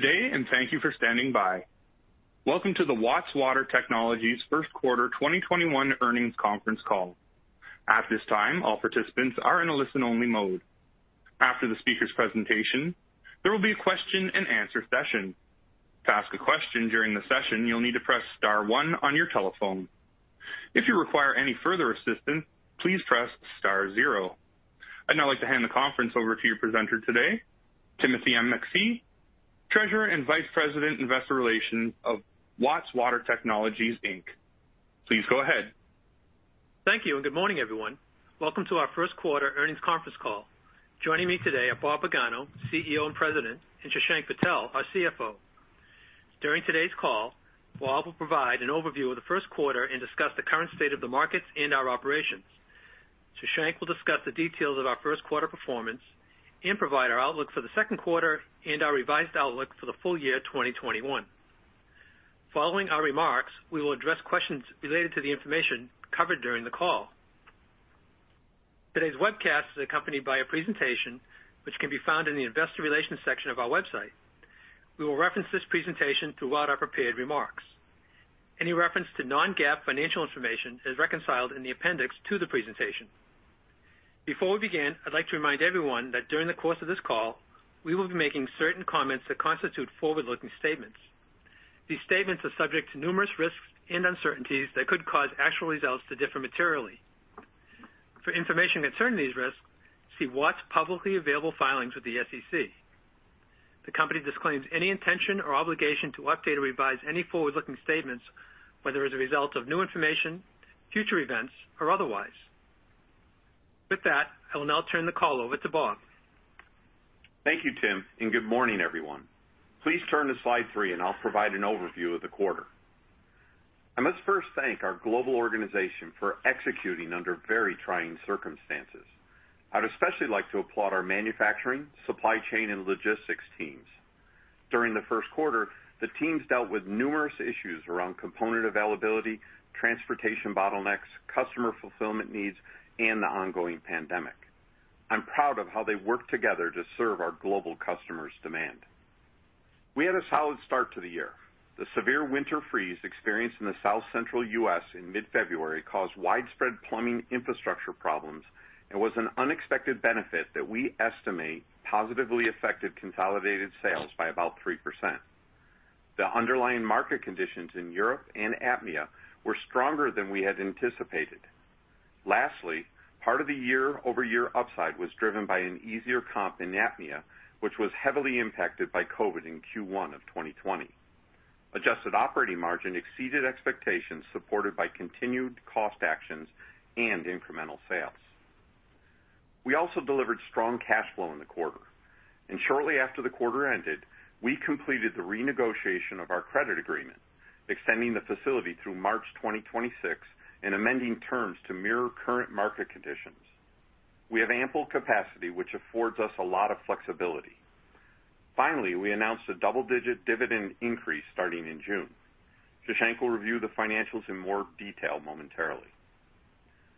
Today, and thank you for standing by. Welcome to the Watts Water Technologies First Quarter 2021 Earnings Conference Call. At this time, all participants are in a listen-only mode. After the speaker's presentation, there will be a question-and-answer session. To ask a question during the session, you'll need to press star one on your telephone. If you require any further assistance, please press star zero. I'd now like to hand the conference over to your presenter today, Timothy MacPhee, Treasurer and Vice President, Investor Relations of Watts Water Technologies, Inc. Please go ahead. Thank you, and good morning, everyone. Welcome to our First Quarter Earnings Conference Call. Joining me today are Bob Pagano, CEO and President, and Shashank Patel, our CFO. During today's call, Bob will provide an overview of the first quarter and discuss the current state of the markets and our operations. Shashank will discuss the details of our first quarter performance and provide our outlook for the second quarter and our revised outlook for the full year 2021. Following our remarks, we will address questions related to the information covered during the call. Today's webcast is accompanied by a presentation which can be found in the Investor Relations section of our website. We will reference this presentation throughout our prepared remarks. Any reference to non-GAAP financial information is reconciled in the appendix to the presentation. Before we begin, I'd like to remind everyone that during the course of this call, we will be making certain comments that constitute forward-looking statements. These statements are subject to numerous risks and uncertainties that could cause actual results to differ materially. For information concerning these risks, see Watts' publicly available filings with the SEC. The company disclaims any intention or obligation to update or revise any forward-looking statements, whether as a result of new information, future events, or otherwise. With that, I will now turn the call over to Bob. Thank you, Tim, and good morning, everyone. Please turn to slide three, and I'll provide an overview of the quarter. I must first thank our global organization for executing under very trying circumstances. I'd especially like to applaud our Manufacturing, Supply Chain, and Logistics teams. During the first quarter, the teams dealt with numerous issues around component availability, transportation bottlenecks, customer fulfillment needs, and the ongoing pandemic. I'm proud of how they worked together to serve our global customers' demand. We had a solid start to the year. The severe winter freeze experienced in the South Central U.S. in mid-February caused widespread plumbing infrastructure problems and was an unexpected benefit that we estimate positively affected consolidated sales by about 3%. The underlying market conditions in Europe and APMEA were stronger than we had anticipated. Lastly, part of the year-over-year upside was driven by an easier comp in APMEA, which was heavily impacted by COVID in Q1 of 2020. Adjusted Operating Margin exceeded expectations, supported by continued cost actions and incremental sales. We also delivered strong cash flow in the quarter, and shortly after the quarter ended, we completed the renegotiation of our credit agreement, extending the facility through March 2026 and amending terms to mirror current market conditions. We have ample capacity, which affords us a lot of flexibility. Finally, we announced a double-digit dividend increase starting in June. Shashank will review the financials in more detail momentarily.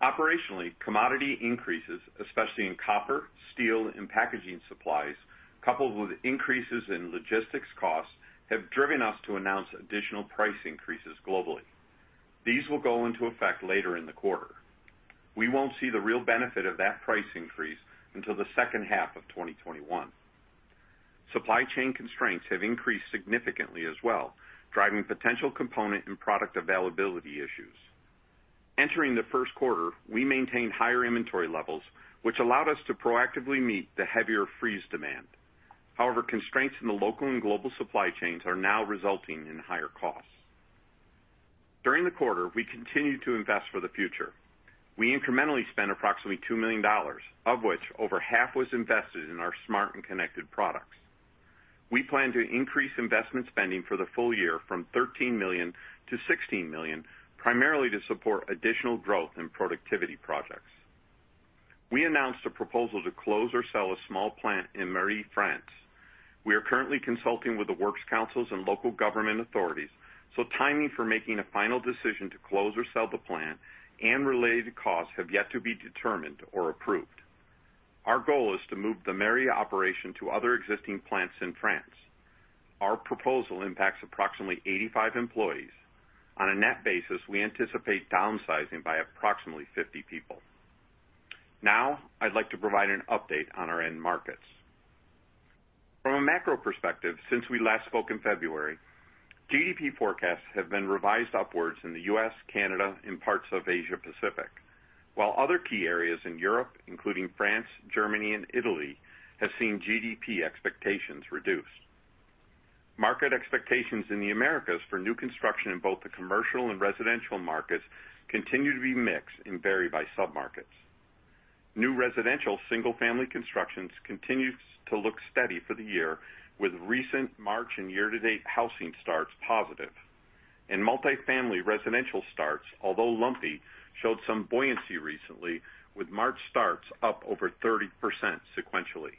Operationally, commodity increases, especially in copper, steel, and packaging supplies, coupled with increases in logistics costs, have driven us to announce additional price increases globally. These will go into effect later in the quarter. We won't see the real benefit of that price increase until the second half of 2021. Supply chain constraints have increased significantly as well, driving potential component and product availability issues. Entering the first quarter, we maintained higher inventory levels, which allowed us to proactively meet the heavier freeze demand. However, constraints in the local and global supply chains are now resulting in higher costs. During the quarter, we continued to invest for the future. We incrementally spent approximately $2 million, of which over half was invested in our smart and connected products. We plan to increase investment spending for the full year from $13 million-$16 million, primarily to support additional growth and productivity projects. We announced a proposal to close or sell a small plant in Méry, France. We are currently consulting with the works councils and local government authorities, so timing for making a final decision to close or sell the plant and related costs have yet to be determined or approved. Our goal is to move the Méry operation to other existing plants in France. Our proposal impacts approximately 85 employees. On a net basis, we anticipate downsizing by approximately 50 people. Now, I'd like to provide an update on our end markets. From a macro perspective, since we last spoke in February, GDP forecasts have been revised upwards in the U.S., Canada, and parts of Asia-Pacific, while other key areas in Europe, including France, Germany, and Italy, have seen GDP expectations reduced. Market expectations in the Americas for new construction in both the commercial and residential markets continue to be mixed and vary by submarkets. New residential single-family construction continues to look steady for the year, with recent March and year-to-date housing starts positive, and multifamily residential starts, although lumpy, showed some buoyancy recently, with March starts up over 30% sequentially.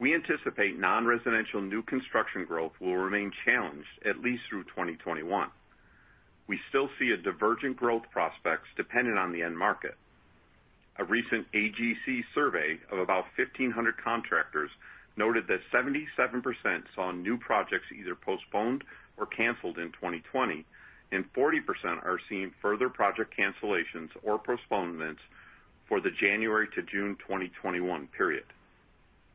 We anticipate non-residential new construction growth will remain challenged at least through 2021. We still see a divergent growth prospects dependent on the end market. A recent AGC survey of about 1,500 contractors noted that 77% saw new projects either postponed or canceled in 2020, and 40% are seeing further project cancellations or postponements for the January to June 2021 period.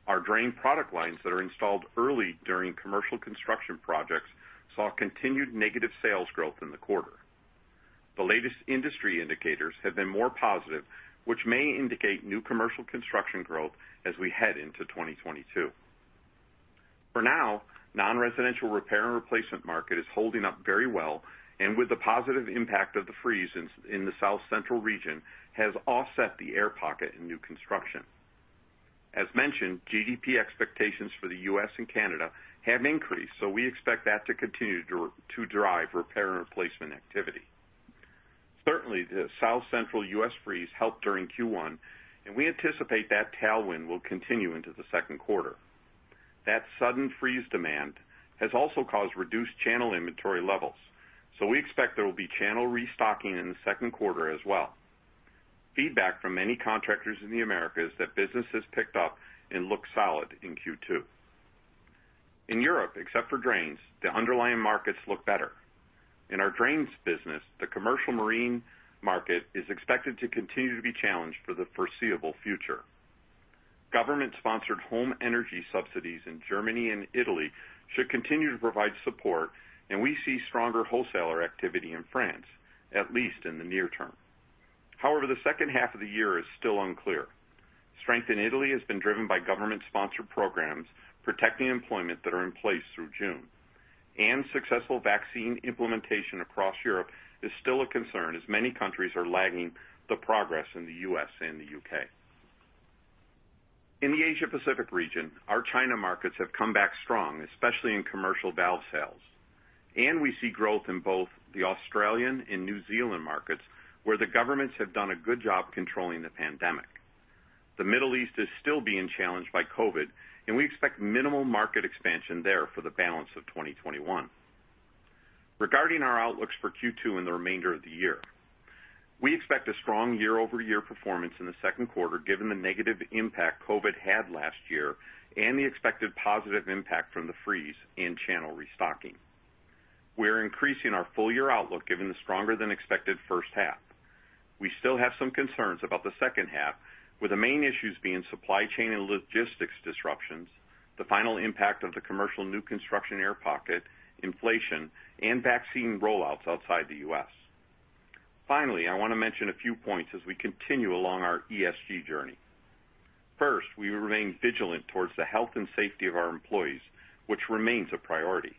Our drain product lines that are installed early during commercial construction projects saw continued negative sales growth in the quarter. The latest industry indicators have been more positive, which may indicate new commercial construction growth as we head into 2022. For now, non-residential repair and replacement market is holding up very well, and with the positive impact of the freeze in the South Central region, has offset the air pocket in new construction. As mentioned, GDP expectations for the U.S. and Canada have increased, so we expect that to continue to drive repair and replacement activity. Certainly, the South Central U.S. freeze helped during Q1, and we anticipate that tailwind will continue into the second quarter. That sudden freeze demand has also caused reduced channel inventory levels, so we expect there will be channel restocking in the second quarter as well. Feedback from many contractors in the Americas that business has picked up and looks solid in Q2. In Europe, except for drains, the underlying markets look better. In our drains business, the commercial marine market is expected to continue to be challenged for the foreseeable future. Government-sponsored home energy subsidies in Germany and Italy should continue to provide support, and we see stronger wholesaler activity in France, at least in the near term. However, the second half of the year is still unclear. Strength in Italy has been driven by government-sponsored programs, protecting employment that are in place through June, and successful vaccine implementation across Europe is still a concern, as many countries are lagging the progress in the U.S. and the U.K. In the Asia Pacific region, our China markets have come back strong, especially in commercial valve sales, and we see growth in both the Australian and New Zealand markets, where the governments have done a good job controlling the pandemic. The Middle East is still being challenged by COVID, and we expect minimal market expansion there for the balance of 2021. Regarding our outlooks for Q2 and the remainder of the year, we expect a strong year-over-year performance in the second quarter, given the negative impact COVID had last year and the expected positive impact from the freeze and channel restocking. We're increasing our full-year outlook, given the stronger than expected first half. We still have some concerns about the second half, with the main issues being supply chain and logistics disruptions, the final impact of the commercial new construction air pocket, inflation, and vaccine rollouts outside the U.S. Finally, I wanna mention a few points as we continue along our ESG journey. First, we remain vigilant towards the health and safety of our employees, which remains a priority.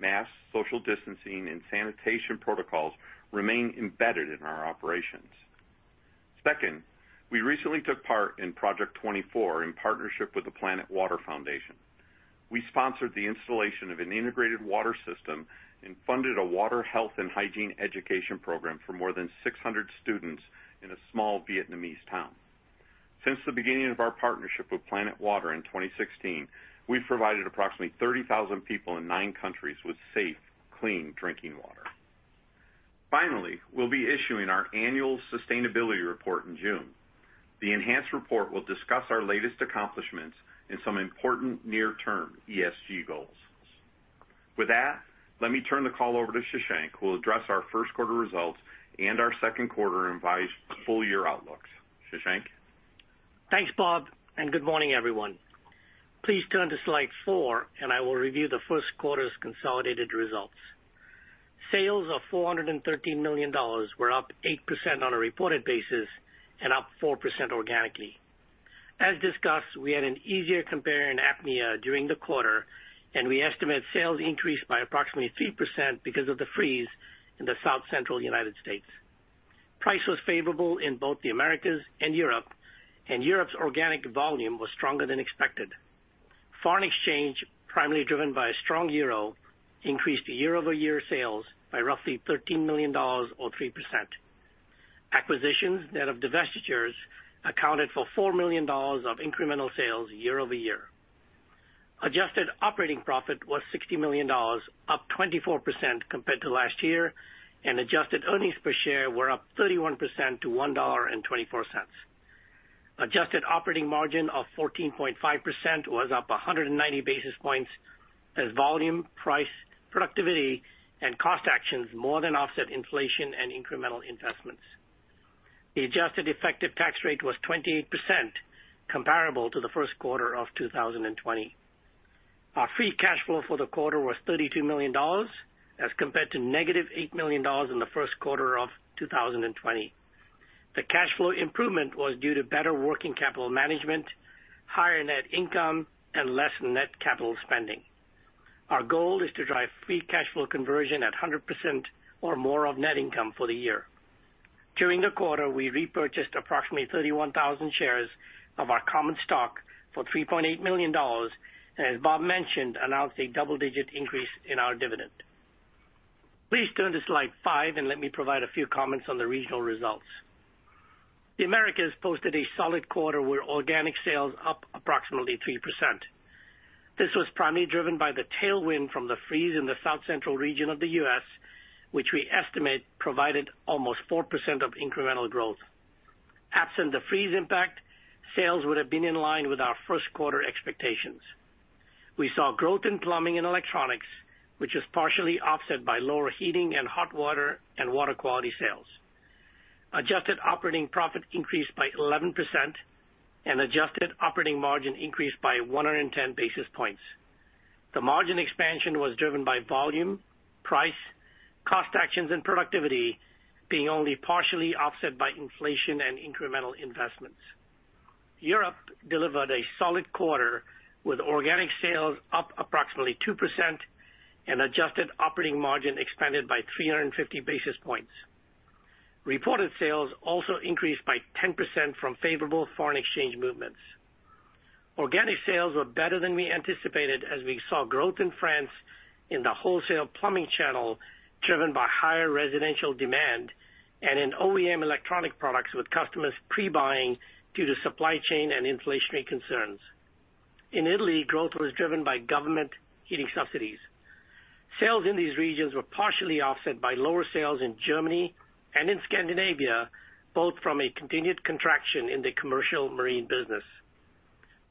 Masks, social distancing, and sanitation protocols remain embedded in our operations. Second, we recently took part in Project 24 in partnership with the Planet Water Foundation. We sponsored the installation of an integrated water system and funded a water health and hygiene education program for more than 600 students in a small Vietnamese town. Since the beginning of our partnership with Planet Water in 2016, we've provided approximately 30,000 people in nine countries with safe, clean drinking water. Finally, we'll be issuing our annual sustainability report in June. The enhanced report will discuss our latest accomplishments and some important near-term ESG goals. With that, let me turn the call over to Shashank, who will address our first quarter results and our second quarter and revised full-year outlooks. Shashank? Thanks, Bob, and good morning, everyone. Please turn to slide four, and I will review the first quarter's consolidated results. Sales of $413 million were up 8% on a reported basis and up 4% organically. As discussed, we had an easier compare in APMEA during the quarter, and we estimate sales increased by approximately 3% because of the freeze in the South Central United States. Price was favorable in both the Americas and Europe, and Europe's organic volume was stronger than expected. Foreign exchange, primarily driven by a strong euro, increased year-over-year sales by roughly $13 million or 3%. Acquisitions, net of divestitures, accounted for $4 million of incremental sales year over year. Adjusted operating profit was $60 million, up 24% compared to last year, and adjusted earnings per share were up 31% to $1.24. Adjusted operating margin of 14.5% was up 190 basis points as volume, price, productivity, and cost actions more than offset inflation and incremental investments. The adjusted effective tax rate was 28%, comparable to the first quarter of 2020. Our free cash flow for the quarter was $32 million, as compared to -$8 million in the first quarter of 2020. The cash flow improvement was due to better working capital management, higher net income, and less net capital spending. Our goal is to drive free cash flow conversion at 100% or more of net income for the year. During the quarter, we repurchased approximately 31,000 shares of our common stock for $3.8 million, and as Bob mentioned, announced a double-digit increase in our dividend. Please turn to slide 5, and let me provide a few comments on the regional results. The Americas posted a solid quarter with organic sales up approximately 3%.... This was primarily driven by the tailwind from the freeze in the South Central region of the U.S., which we estimate provided almost 4% of incremental growth. Absent the freeze impact, sales would have been in line with our first quarter expectations. We saw growth in plumbing and electronics, which is partially offset by lower heating and hot water and water quality sales. Adjusted Operating Profit increased by 11% and Adjusted Operating Margin increased by 110 basis points. The margin expansion was driven by volume, price, cost actions, and productivity, being only partially offset by inflation and incremental investments. Europe delivered a solid quarter, with organic sales up approximately 2% and adjusted operating margin expanded by 350 basis points. Reported sales also increased by 10% from favorable foreign exchange movements. Organic sales were better than we anticipated as we saw growth in France in the wholesale plumbing channel, driven by higher residential demand and in OEM electronic products, with customers pre-buying due to supply chain and inflationary concerns. In Italy, growth was driven by government heating subsidies. Sales in these regions were partially offset by lower sales in Germany and in Scandinavia, both from a continued contraction in the commercial marine business.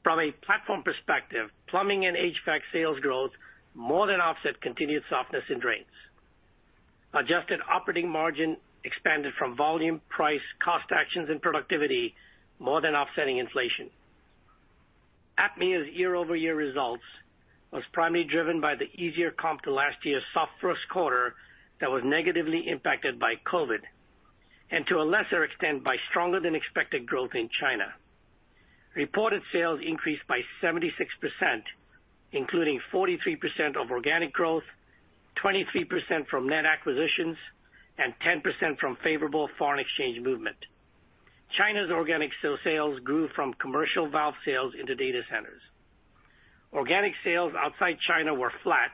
From a platform perspective, plumbing and HVAC sales growth more than offset continued softness in drains. Adjusted operating margin expanded from volume, price, cost, actions, and productivity, more than offsetting inflation. APMEA's year-over-year results was primarily driven by the easier comp to last year's soft first quarter that was negatively impacted by COVID, and to a lesser extent, by stronger than expected growth in China. Reported sales increased by 76%, including 43% of organic growth, 23% from net acquisitions, and 10% from favorable foreign exchange movement. China's organic sales grew from commercial valve sales into data centers. Organic sales outside China were flat,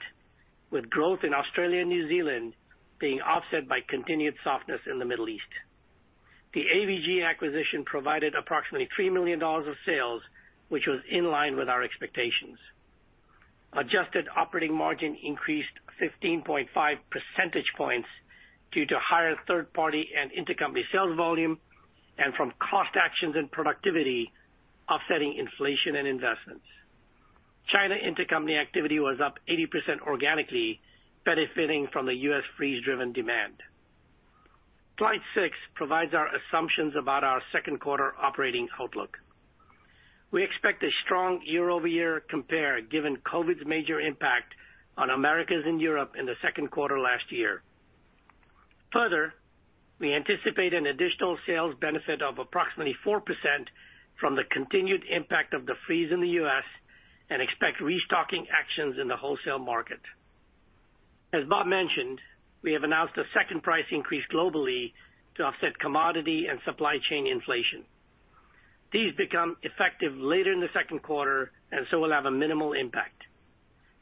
with growth in Australia and New Zealand being offset by continued softness in the Middle East. The AVG acquisition provided approximately $3 million of sales, which was in line with our expectations. Adjusted operating margin increased 15.5 % points due to higher third-party and intercompany sales volume and from cost actions and productivity, offsetting inflation and investments. China intercompany activity was up 80% organically, benefiting from the U.S. freeze-driven demand. Slide six provides our assumptions about our second quarter operating outlook. We expect a strong year-over-year compare, given COVID's major impact on Americas and Europe in the second quarter last year. Further, we anticipate an additional sales benefit of approximately 4% from the continued impact of the freeze in the U.S. and expect restocking actions in the wholesale market. As Bob mentioned, we have announced a second price increase globally to offset commodity and supply chain inflation. These become effective later in the second quarter, and so will have a minimal impact.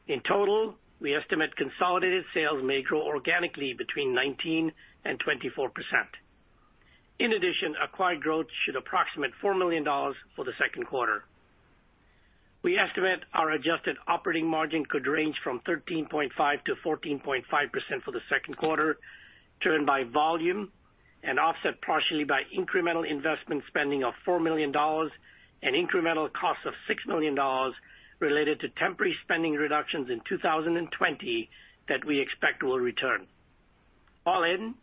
In total, we estimate consolidated sales may grow organically between 19% and 24%. In addition, acquired growth should approximate $4 million for the second quarter. We estimate our adjusted operating margin could range from 13.5%-14.5% for the second quarter, driven by volume and offset partially by incremental investment spending of $4 million and incremental costs of $6 million related to temporary spending reductions in 2020 that we expect will return. All in,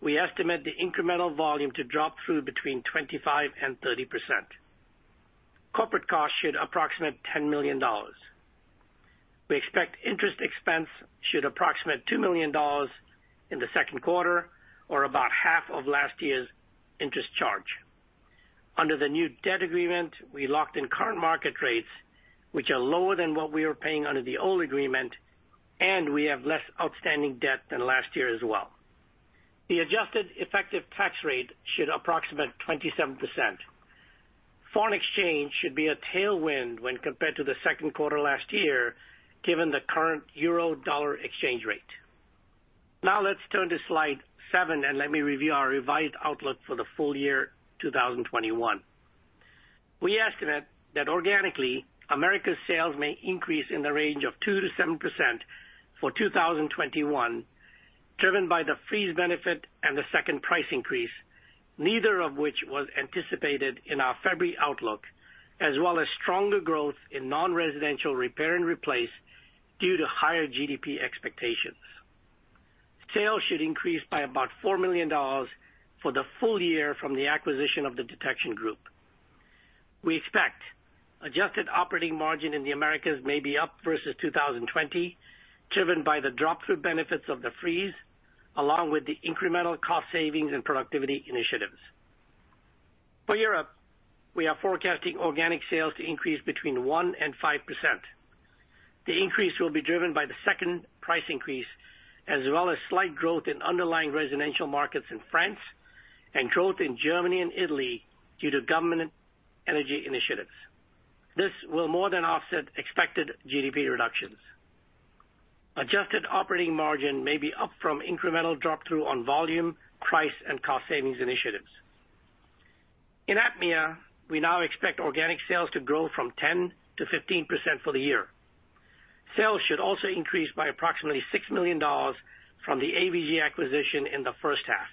we estimate the incremental volume to drop through between 25%-30%. Corporate costs should approximate $10 million. We expect interest expense should approximate $2 million in the second quarter, or about half of last year's interest charge. Under the new debt agreement, we locked in current market rates, which are lower than what we were paying under the old agreement, and we have less outstanding debt than last year as well. The adjusted effective tax rate should approximate 27%. Foreign exchange should be a tailwind when compared to the second quarter last year, given the current euro-dollar exchange rate. Now, let's turn to slide seven, and let me review our revised outlook for the full year, 2021. We estimate that organically, Americas sales may increase in the range of 2%-7% for 2021, driven by the freeze benefit and the second price increase, neither of which was anticipated in our February outlook, as well as stronger growth in non-residential repair and replace due to higher GDP expectations. Sales should increase by about $4 million for the full year from the acquisition of the Detection Group. We expect adjusted operating margin in the Americas may be up vs 2020, driven by the drop-through benefits of the freeze, along with the incremental cost savings and productivity initiatives. For Europe, we are forecasting organic sales to increase between 1% and 5%. The increase will be driven by the second price increase, as well as slight growth in underlying residential markets in France and growth in Germany and Italy due to government energy initiatives. This will more than offset expected GDP reductions. Adjusted Operating Margin may be up from incremental drop through on volume, price, and cost savings initiatives. In APMEA, we now expect organic sales to grow 10%-15% for the year. Sales should also increase by approximately $6 million from the AVG acquisition in the first half.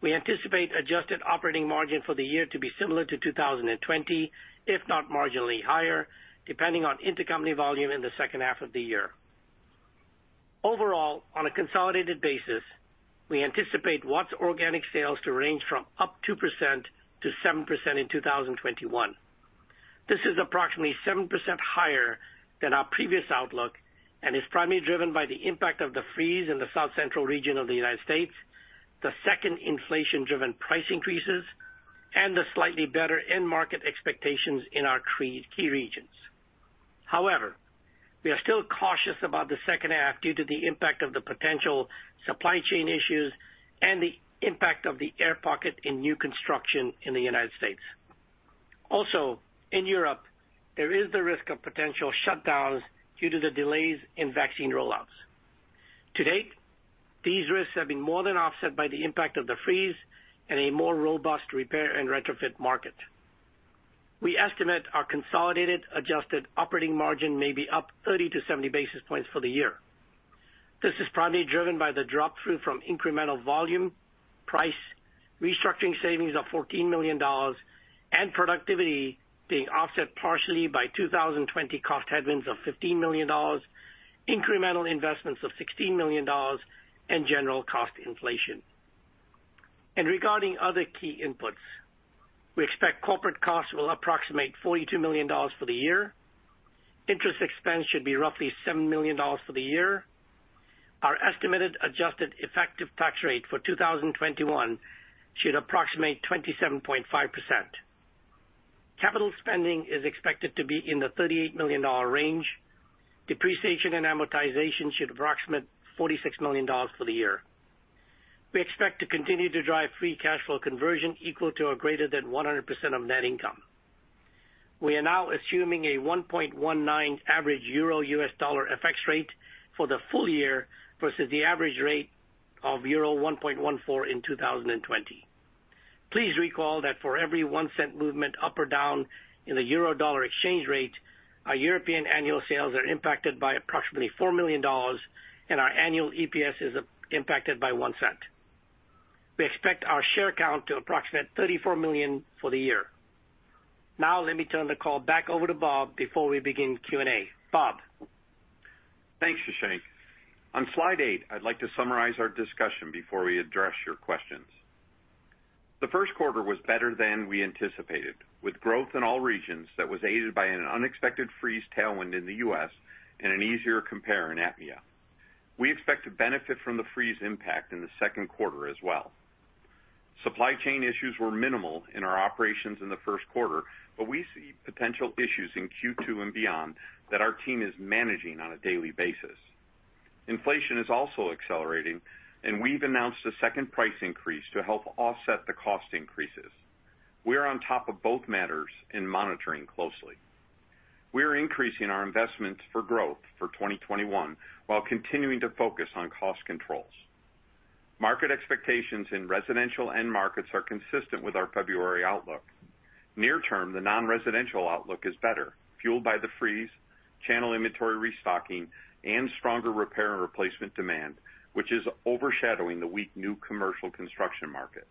We anticipate adjusted operating margin for the year to be similar to 2020, if not marginally higher, depending on intercompany volume in the second half of the year. Overall, on a consolidated basis, we anticipate Watts' organic sales to range from up 2%-7% in 2021. This is approximately 7% higher than our previous outlook, and is primarily driven by the impact of the freeze in the South Central region of the United States, the second inflation-driven price increases, and the slightly better end market expectations in our key regions. However, we are still cautious about the second half due to the impact of the potential supply chain issues and the impact of the air pocket in new construction in the United States. Also, in Europe, there is the risk of potential shutdowns due to the delays in vaccine rollouts. To date, these risks have been more than offset by the impact of the freeze and a more robust repair and retrofit market. We estimate our consolidated adjusted operating margin may be up 30-70 basis points for the year. This is primarily driven by the drop-through from incremental volume, price, restructuring savings of $14 million, and productivity being offset partially by 2020 cost headwinds of $15 million, incremental investments of $16 million, and general cost inflation. Regarding other key inputs, we expect corporate costs will approximate $42 million for the year. Interest expense should be roughly $7 million for the year. Our estimated adjusted effective tax rate for 2021 should approximate 27.5%. Capital spending is expected to be in the $38 million range. Depreciation and amortization should approximate $46 million for the year. We expect to continue to drive free cash flow conversion equal to or greater than 100% of net income. We are now assuming a 1.19 average EUR/USD FX rate for the full year vs the average rate of euro 1.14 in 2020. Please recall that for every $0.01 movement up or down in the EUR/USD exchange rate, our European annual sales are impacted by approximately $4 million, and our annual EPS is impacted by $0.01. We expect our share count to approximate 34 million for the year. Now let me turn the call back over to Bob before we begin Q&A. Bob? Thanks, Shashank. On slide eight, I'd like to summarize our discussion before we address your questions. The first quarter was better than we anticipated, with growth in all regions that was aided by an unexpected freeze tailwind in the U.S. and an easier compare in APMEA. We expect to benefit from the freeze impact in the second quarter as well. Supply chain issues were minimal in our operations in the first quarter, but we see potential issues in Q2 and beyond that our team is managing on a daily basis. Inflation is also accelerating, and we've announced a second price increase to help offset the cost increases. We are on top of both matters and monitoring closely. We are increasing our investments for growth for 2021, while continuing to focus on cost controls. Market expectations in residential end markets are consistent with our February outlook. Near term, the non-residential outlook is better, fueled by the freeze, channel inventory restocking, and stronger repair and replacement demand, which is overshadowing the weak new commercial construction market.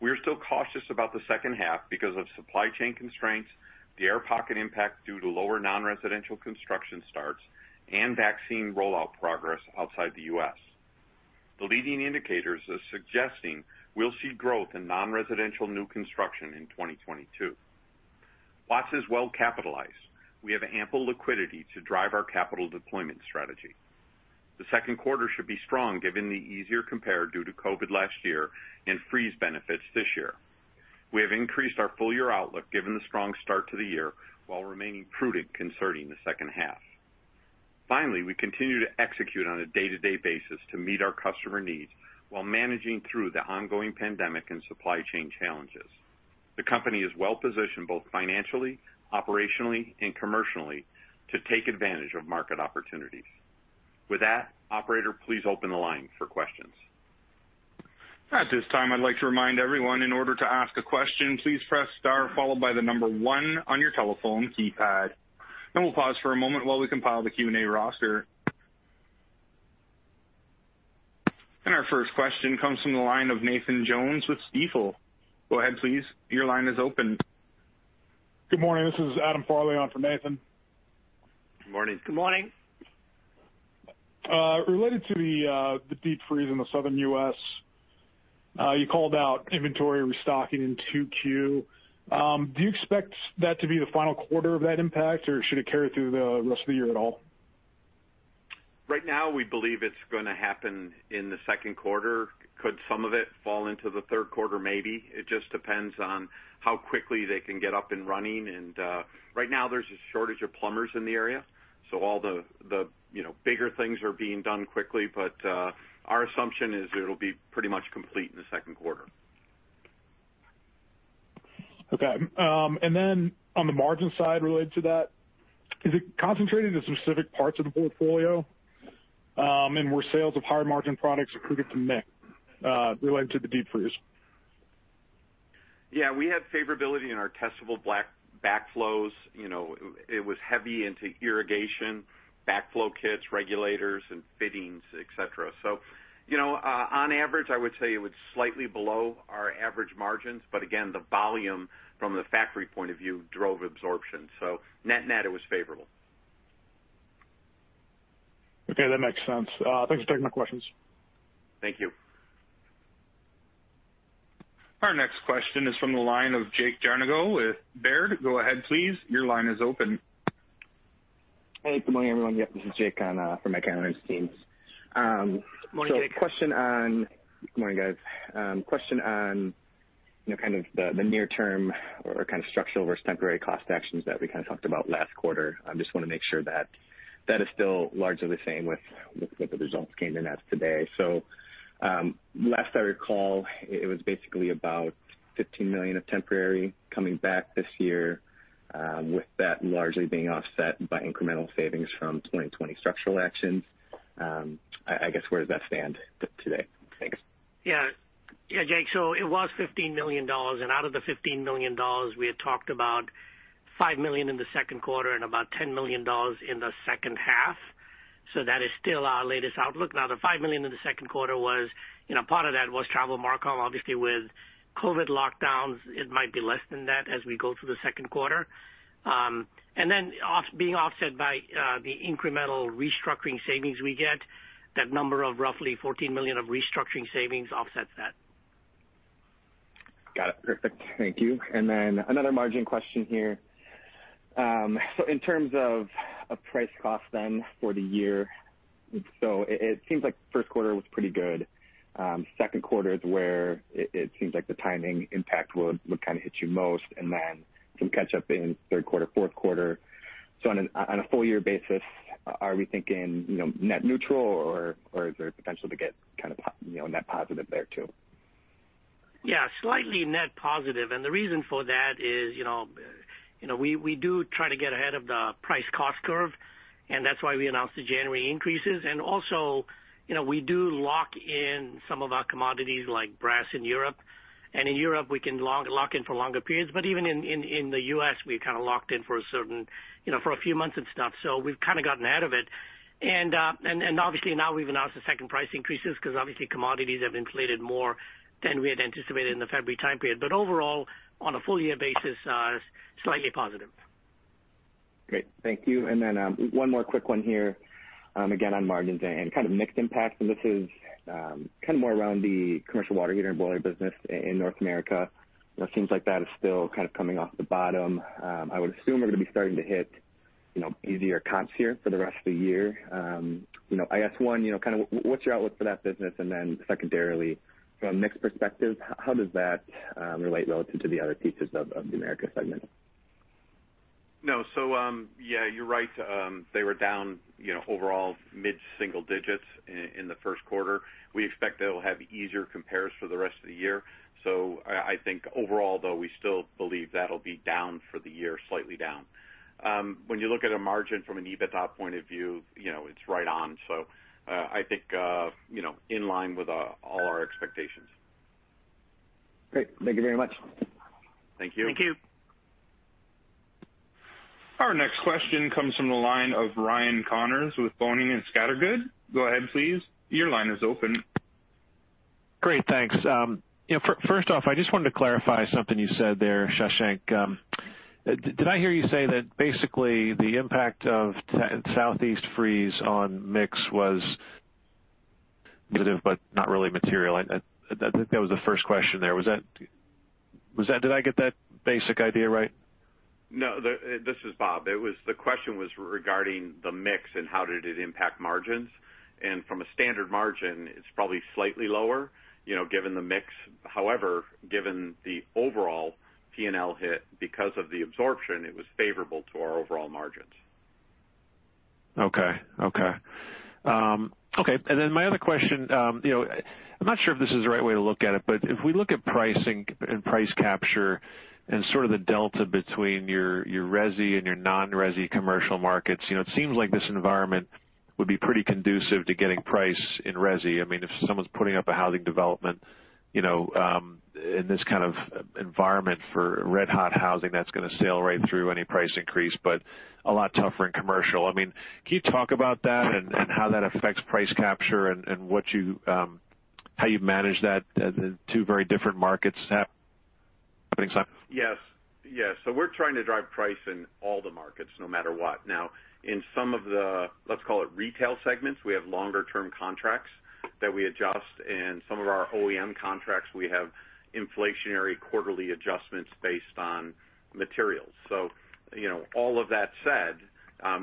We are still cautious about the second half because of supply chain constraints, the air pocket impact due to lower non-residential construction starts, and vaccine rollout progress outside the U.S. The leading indicators are suggesting we'll see growth in non-residential new construction in 2022. Watts is well capitalized. We have ample liquidity to drive our capital deployment strategy. The second quarter should be strong, given the easier compare due to COVID last year and freeze benefits this year. We have increased our full-year outlook, given the strong start to the year, while remaining prudent concerning the second half. Finally, we continue to execute on a day-to-day basis to meet our customer needs while managing through the ongoing pandemic and supply chain challenges. The company is well positioned, both financially, operationally, and commercially, to take advantage of market opportunities. With that, operator, please open the line for questions. At this time, I'd like to remind everyone, in order to ask a question, please press star followed by the number one on your telephone keypad, and we'll pause for a moment while we compile the Q&A roster. Our first question comes from the line of Nathan Jones with Stifel. Go ahead, please. Your line is open. Good morning. This is Adam Farley on for Nathan. Good morning. Good morning. Related to the deep freeze in the Southern U.S., you called out inventory restocking in 2Q. Do you expect that to be the final quarter of that impact, or should it carry through the rest of the year at all? Right now, we believe it's gonna happen in the second quarter. Could some of it fall into the third quarter? Maybe. It just depends on how quickly they can get up and running, and right now there's a shortage of plumbers in the area, so all the you know bigger things are being done quickly. But our assumption is it'll be pretty much complete in the second quarter.... Okay, and then on the margin side related to that, is it concentrated in specific parts of the portfolio, and were sales of higher margin products accretive to mix, related to the deep freeze? Yeah, we had favorability in our testable backflows. You know, it was heavy into irrigation, backflow kits, regulators and fittings, et cetera. So, you know, on average, I would say it was slightly below our average margins, but again, the volume from the factory point of view drove absorption. So net-net, it was favorable. Okay, that makes sense. Thanks for taking my questions. Thank you. Our next question is from the line of Jake Janiga with Baird. Go ahead, please. Your line is open. Hey, good morning, everyone. Yep, this is Jake on from my Baird team. Morning, Jake. Question on— good morning, guys. Question on, you know, kind of the, the near term or, or kind of structural vs temporary cost actions that we kind of talked about last quarter. I just want to make sure that that is still largely the same with, with the results came in as today. So, last I recall, it was basically about $15 million of temporary coming back this year, with that largely being offset by incremental savings from 2020 structural actions. I guess, where does that stand today? Thanks. Yeah. Yeah, Jake. So it was $15 million, and out of the $15 million, we had talked about $5 million in the second quarter and about $10 million in the second half. So that is still our latest outlook. Now, the $5 million in the second quarter was, you know, part of that was travel markup. Obviously, with COVID lockdowns, it might be less than that as we go through the second quarter. And then being offset by the incremental restructuring savings we get, that number of roughly $14 million of restructuring savings offsets that. Got it. Perfect. Thank you. And then another margin question here. So in terms of a price cost then for the year, so it seems like first quarter was pretty good. Second quarter is where it seems like the timing impact would kind of hit you most, and then some catch up in third quarter, fourth quarter. So on a full year basis, are we thinking, you know, net neutral, or is there potential to get kind of, you know, net positive there, too? Yeah, slightly net positive. And the reason for that is, you know, you know, we do try to get ahead of the price cost curve, and that's why we announced the January increases. And also, you know, we do lock in some of our commodities, like brass in Europe. And in Europe, we can lock in for longer periods, but even in the U.S., we're kind of locked in for a certain, you know, for a few months and stuff. So we've kind of gotten ahead of it. And obviously now we've announced the second price increases because obviously commodities have inflated more than we had anticipated in the February time period. But overall, on a full year basis, slightly positive. Great. Thank you. One more quick one here, again, on margins and kind of mixed impact, and this is kind of more around the commercial water heater and boiler business in North America. It seems like that is still kind of coming off the bottom. I would assume we're going to be starting to hit, you know, easier comps here for the rest of the year. You know, I guess, one, you know, kind of what's your outlook for that business? And then secondarily, from a mix perspective, how does that relate relative to the other pieces of the America segment? No. So, yeah, you're right. They were down, you know, overall mid-single digits in the first quarter. We expect they'll have easier compares for the rest of the year. So I think overall, though, we still believe that'll be down for the year, slightly down. When you look at a margin from an EBITDA point of view, you know, it's right on. So, I think, you know, in line with all our expectations. Great. Thank you very much. Thank you. Thank you. Our next question comes from the line of Ryan Connors with Boenning & Scattergood. Go ahead, please. Your line is open. Great, thanks. You know, first off, I just wanted to clarify something you said there, Shashank. Did I hear you say that basically the impact of the Southeast freeze on mix was negative but not really material? I think that was the first question there. Was that... Was that, did I get that basic idea right? No. The... This is Bob. It was, the question was regarding the mix and how did it impact margins. And from a standard margin, it's probably slightly lower, you know, given the mix. However, given the overall P&L hit because of the absorption, it was favorable to our overall margins. Okay. Okay, okay, and then my other question, you know, I'm not sure if this is the right way to look at it, but if we look at pricing and price capture and sort of the delta between your, your resi and your non-resi commercial markets, you know, it seems like this environment would be pretty conducive to getting price in resi. I mean, if someone's putting up a housing development, you know, in this kind of environment for red-hot housing, that's going to sail right through any price increase, but a lot tougher in commercial. I mean, can you talk about that and, and how that affects price capture and, and what you, how you manage that, the two very different markets, putting time? Yes. Yes. So we're trying to drive price in all the markets, no matter what. Now, in some of the, let's call it, retail segments, we have longer term contracts that we adjust, and some of our OEM contracts, we have inflationary quarterly adjustments based on materials. So you know, all of that said,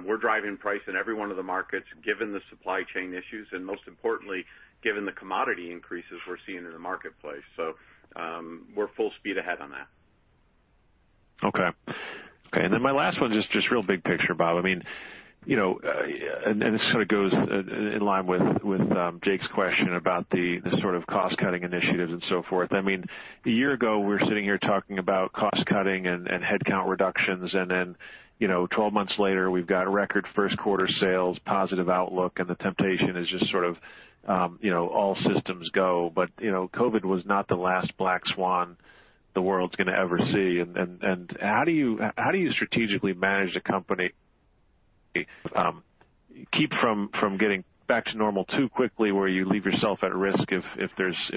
we're driving price in every one of the markets, given the supply chain issues, and most importantly, given the commodity increases we're seeing in the marketplace. So, we're full speed ahead on that. Okay. Okay, and then my last one is just, just real big picture, Bob. I mean, you know, and, and this sort of goes in line with, with, Jake's question about the, the sort of cost-cutting initiatives and so forth. I mean, a year ago, we were sitting here talking about cost cutting and, and headcount reductions, and then, you know, 12 months later, we've got record first quarter sales, positive outlook, and the temptation is just sort of, you know, all systems go. But, you know, COVID was not the last black swan the world's gonna ever see. And how do you how do you strategically manage the company, keep from getting back to normal too quickly, where you leave yourself at risk if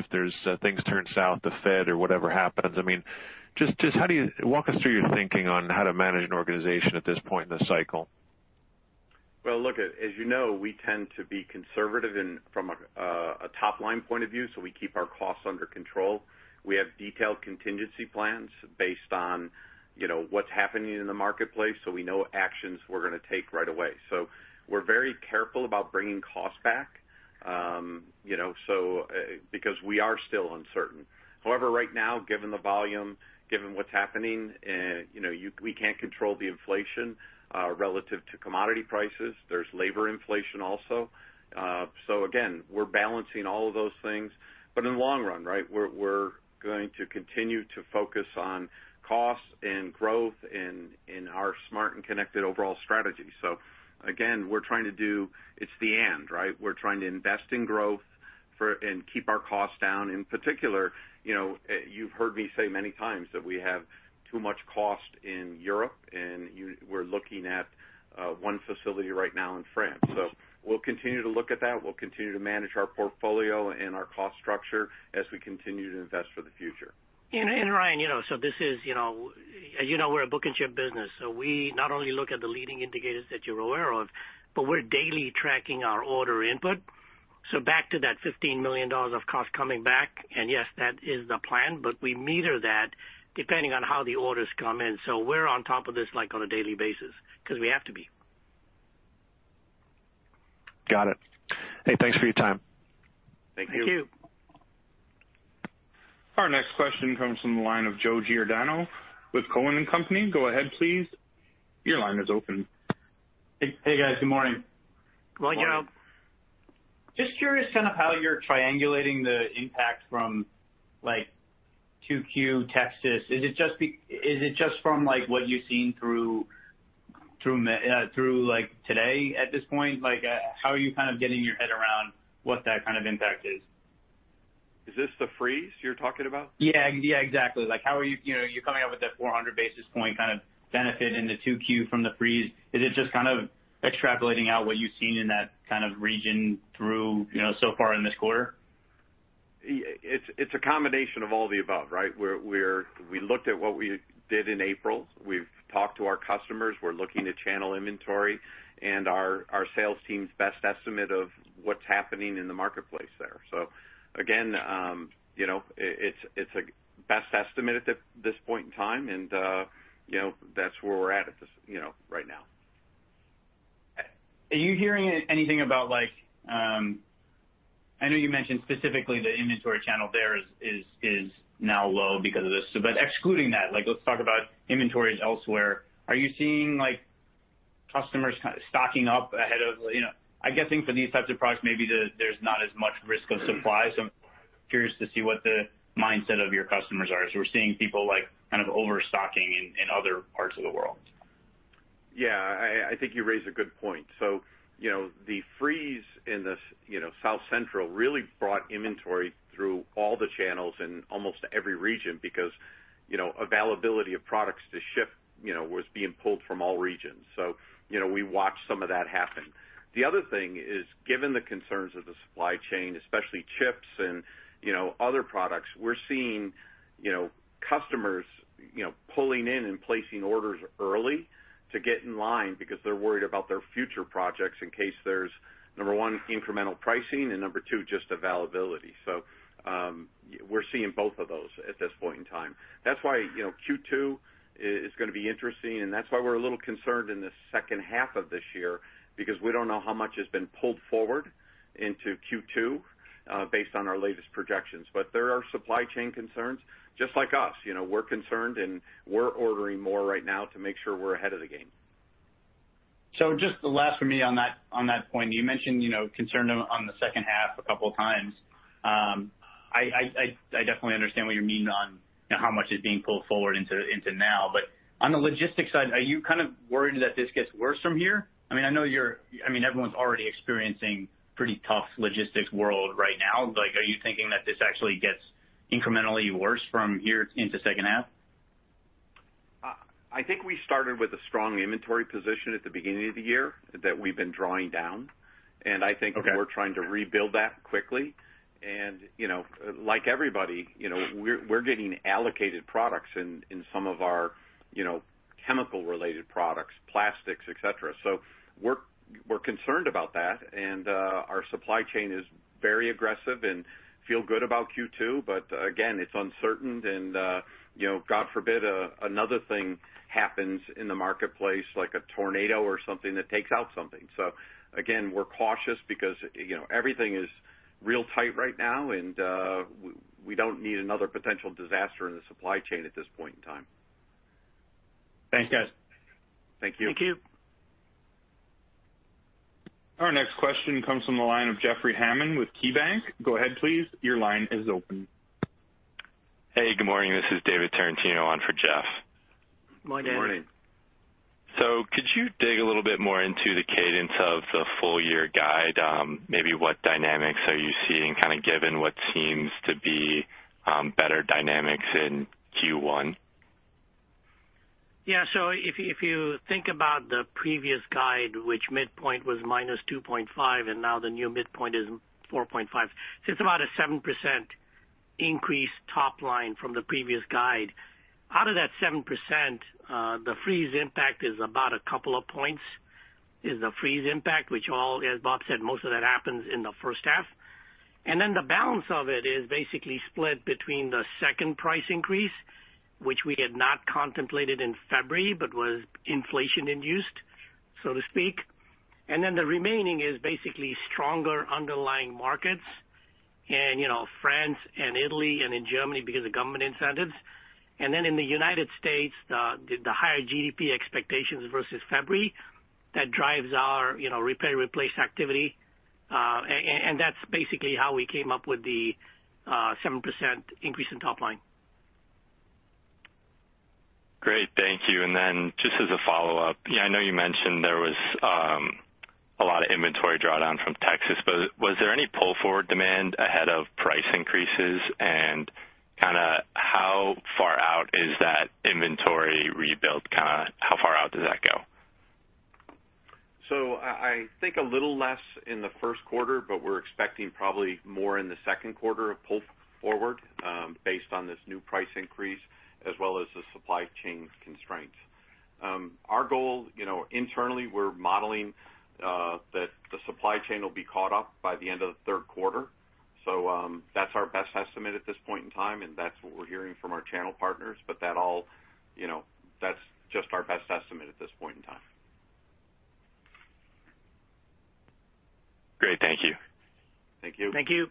there's things turn south, the Fed or whatever happens? I mean, just how do you walk us through your thinking on how to manage an organization at this point in the cycle? Well, look, as you know, we tend to be conservative in from a top-line point of view, so we keep our costs under control. We have detailed contingency plans based on, you know, what's happening in the marketplace, so we know actions we're gonna take right away. So we're very careful about bringing costs back, you know, so because we are still uncertain. However, right now, given the volume, given what's happening, you know, we can't control the inflation relative to commodity prices. There's labor inflation also. So again, we're balancing all of those things. But in the long run, right, we're, we're going to continue to focus on cost and growth in, in our smart and connected overall strategy. So again, we're trying to do—it's the end, right? We're trying to invest in growth for, and keep our costs down. In particular, you know, you've heard me say many times that we have too much cost in Europe, and we're looking at, one facility right now in France. So we'll continue to look at that. We'll continue to manage our portfolio and our cost structure as we continue to invest for the future. Ryan, you know, so this is, you know... You know, we're a book and ship business, so we not only look at the leading indicators that you're aware of, but we're daily tracking our order input. So back to that $15 million of cost coming back, and yes, that is the plan, but we meter that depending on how the orders come in. So we're on top of this, like, on a daily basis, 'cause we have to be. Got it. Hey, thanks for your time. Thank you. Thank you. Our next question comes from the line of Joe Giordano with Cowen and Company. Go ahead, please. Your line is open. Hey, hey, guys. Good morning. Well, you know- Just curious kind of how you're triangulating the impact from, like, Q2 Texas. Is it just from, like, what you've seen through today at this point? Like, how are you kind of getting your head around what that kind of impact is? Is this the freeze you're talking about? Yeah. Yeah, exactly. Like, how are you... You know, you're coming up with a 400 basis point kind of benefit in the Q2 from the freeze. Is it just kind of extrapolating out what you've seen in that kind of region through, you know, so far in this quarter? It's a combination of all the above, right? We looked at what we did in April. We've talked to our customers. We're looking at channel inventory and our sales team's best estimate of what's happening in the marketplace there. So again, you know, it's a best estimate at this point in time, and, you know, that's where we're at at this, you know, right now. Are you hearing anything about, like,... I know you mentioned specifically the inventory channel there is now low because of this. So, but excluding that, like, let's talk about inventories elsewhere. Are you seeing, like, customers kind of stocking up ahead of, you know—I'm guessing for these types of products, maybe there's not as much risk of supply. So I'm curious to see what the mindset of your customers are. So we're seeing people like, kind of overstocking in other parts of the world. Yeah, I think you raise a good point. So, you know, the freeze in this, you know, South Central really brought inventory through all the channels in almost every region because, you know, availability of products to ship, you know, was being pulled from all regions. So, you know, we watched some of that happen. The other thing is, given the concerns of the supply chain, especially chips and, you know, other products, we're seeing, you know, customers, you know, pulling in and placing orders early to get in line because they're worried about their future projects in case there's, number one, incremental pricing, and number two, just availability. So, we're seeing both of those at this point in time. That's why, you know, Q2 is gonna be interesting, and that's why we're a little concerned in the second half of this year, because we don't know how much has been pulled forward into Q2 based on our latest projections. But there are supply chain concerns, just like us. You know, we're concerned, and we're ordering more right now to make sure we're ahead of the game. So just the last for me on that, on that point, you mentioned, you know, concern on, on the second half a couple of times. I definitely understand what you mean on, you know, how much is being pulled forward into, into now. But on the logistics side, are you kind of worried that this gets worse from here? I mean, I know you're—I mean, everyone's already experiencing pretty tough logistics world right now. Like, are you thinking that this actually gets incrementally worse from here into second half? I think we started with a strong inventory position at the beginning of the year that we've been drawing down, and I think- Okay. We're trying to rebuild that quickly. And, you know, like everybody, you know, we're getting allocated products in some of our, you know, chemical-related products, plastics, et cetera. So we're concerned about that, and our supply chain is very aggressive and feel good about Q2, but again, it's uncertain and, you know, God forbid, another thing happens in the marketplace, like a tornado or something that takes out something. So again, we're cautious because, you know, everything is real tight right now, and we don't need another potential disaster in the supply chain at this point in time. Thanks, guys. Thank you. Thank you. Our next question comes from the line of Jeffrey Hammond with KeyBanc. Go ahead, please. Your line is open. Hey, good morning. This is David Tarantino on for Jeff. Good morning. Could you dig a little bit more into the cadence of the full year guide? Maybe what dynamics are you seeing, kind of given what seems to be better dynamics in Q1? Yeah. So if you think about the previous guide, which midpoint was -2.5, and now the new midpoint is 4.5, so it's about a 7% increase top line from the previous guide. Out of that 7%, the freeze impact is about a couple of points, is the freeze impact, which, as Bob said, most of that happens in the first half. And then the balance of it is basically split between the second price increase, which we had not contemplated in February, but was inflation-induced, so to speak. And then the remaining is basically stronger underlying markets and, you know, France and Italy, and in Germany, because of government incentives. And then in the United States, the higher GDP expectations vs February, that drives our, you know, repair, replace activity. And that's basically how we came up with the 7% increase in top line. Great. Thank you. And then just as a follow-up, yeah, I know you mentioned there was a lot of inventory drawdown from Texas, but was there any pull-forward demand ahead of price increases? And kind of how far out is that inventory rebuilt? Kind of how far out does that go? So I think a little less in the first quarter, but we're expecting probably more in the second quarter of pull forward, based on this new price increase, as well as the supply chain constraints. Our goal, you know, internally, we're modeling that the supply chain will be caught up by the end of the third quarter. So, that's our best estimate at this point in time, and that's what we're hearing from our channel partners. But, you know, that's just our best estimate at this point in time. Great. Thank you. Thank you. Thank you.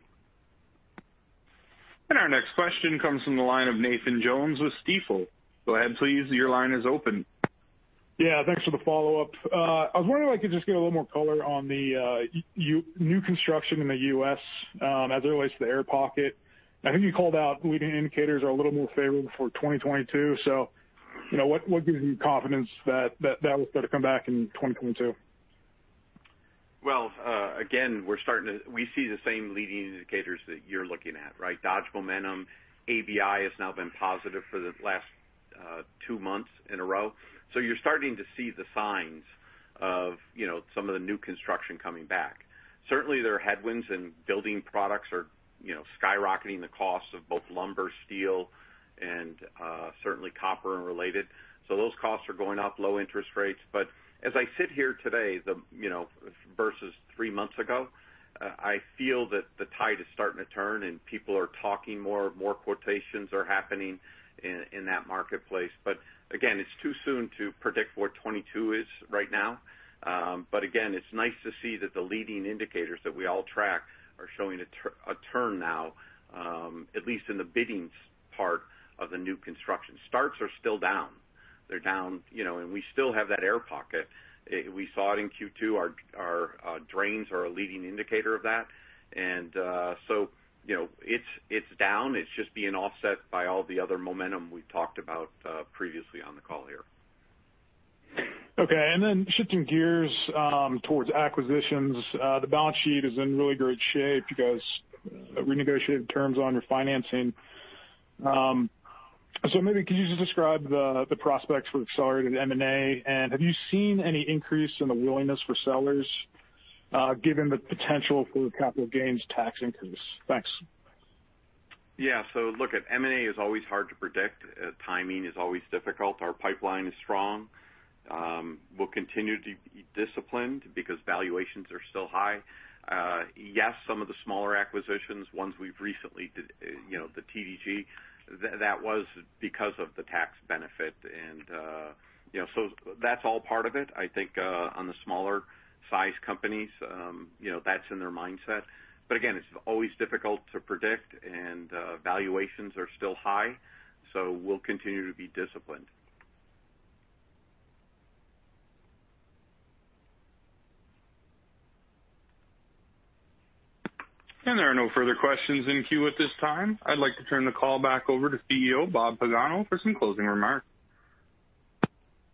Our next question comes from the line of Nathan Jones with Stifel. Go ahead, please. Your line is open. Yeah, thanks for the follow-up. I was wondering if I could just get a little more color on the new construction in the U.S., as it relates to the air pocket. I think you called out leading indicators are a little more favorable for 2022. So, you know, what, what gives you confidence that, that, that will start to come back in 2022? Well, again, we're starting to, we see the same leading indicators that you're looking at, right? Dodge Momentum, ABI has now been positive for the last two months in a row. So you're starting to see the signs of, you know, some of the new construction coming back. Certainly, there are headwinds and building products are, you know, skyrocketing the costs of both lumber, steel, and certainly copper and related. So those costs are going up, low interest rates. But as I sit here today, the, you know, vs three months ago, I feel that the tide is starting to turn and people are talking more, more quotations are happening in, in that marketplace. But again, it's too soon to predict where 2022 is right now. But again, it's nice to see that the leading indicators that we all track are showing a turn now, at least in the biddings part of the new construction. Starts are still down. They're down, you know, and we still have that air pocket. We saw it in Q2. Our drains are a leading indicator of that. So, you know, it's down. It's just being offset by all the other momentum we've talked about, previously on the call here. Okay. And then shifting gears, towards acquisitions. The balance sheet is in really great shape. You guys renegotiated terms on your financing. So maybe could you just describe the, the prospects for accelerated M&A? And have you seen any increase in the willingness for sellers, given the potential for the capital gains tax increase? Thanks. Yeah. So look at M&A is always hard to predict. Timing is always difficult. Our pipeline is strong. We'll continue to be disciplined because valuations are still high. Yes, some of the smaller acquisitions, ones we've recently did, you know, the TDG, that was because of the tax benefit. And, you know, so that's all part of it. I think, on the smaller size companies, you know, that's in their mindset. But again, it's always difficult to predict, and, valuations are still high, so we'll continue to be disciplined. There are no further questions in queue at this time. I'd like to turn the call back over to CEO, Bob Pagano, for some closing remarks.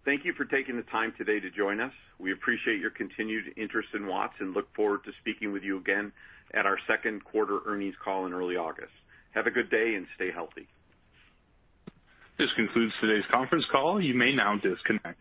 Thank you for taking the time today to join us. We appreciate your continued interest in Watts and look forward to speaking with you again at our second quarter earnings call in early August. Have a good day and stay healthy. This concludes today's conference call. You may now disconnect.